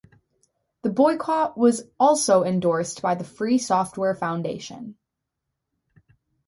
The boycott was also endorsed by the Free Software Foundation.